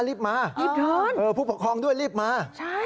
รีบเดินผู้ปกครองด้วยรีบมา